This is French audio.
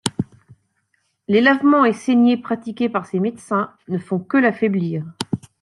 Les lavements et saignées pratiqués par ses médecins ne font que l'affaiblir.